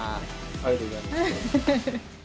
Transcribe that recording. ありがとうございます。